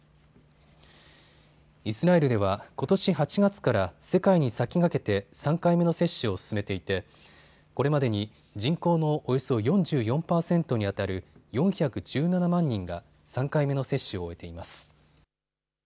イスラエルでは、ことし８月から世界に先駆けて３回目の接種を進めていてこれまでに人口のおよそ４４％にあたる４１７万人が３回目の接種を終えています。